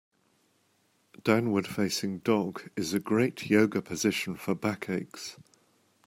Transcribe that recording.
Downward facing dog is a great Yoga position for back aches.